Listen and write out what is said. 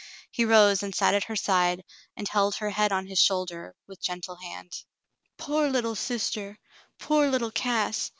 He rose and sat at her side and held her head on his shoulder with gentle hand. "Pore little sister — pore little Cass!